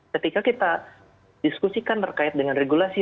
ketika kita diskusikan terkait dengan regulasi